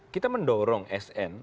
kita mendorong sn